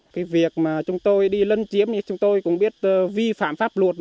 cái việc mà chúng tôi đi lân chiếm như chúng tôi cũng biết vi phạm pháp luật